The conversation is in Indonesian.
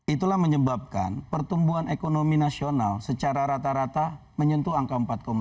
itulah menyebabkan pertumbuhan ekonomi nasional secara rata rata menyentuh angka empat lima